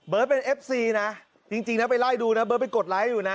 เป็นเอฟซีนะจริงนะไปไล่ดูนะเบิร์ตไปกดไลค์อยู่นะ